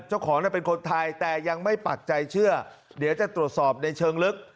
เจ้าของเป็นคนไทยแต่ยังไม่ปักใจเชื่อเดี๋ยวจะตรวจสอบในเชิงลึก